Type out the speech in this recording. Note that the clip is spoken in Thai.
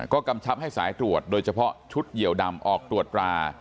ก็กำชับให้สายตรวจโดยเฉพาะชุดเหยียวดำออกตรวจตรา